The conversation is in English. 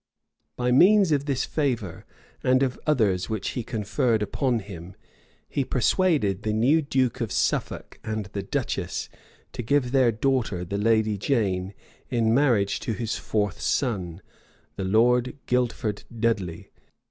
By means of this favor, and of others which he conferred upon him, he persuaded the new duke of Suffolk and the duchess, to give their daughter, the lady Jane, in marriage to his fourth son, the Lord Guildford Dudley.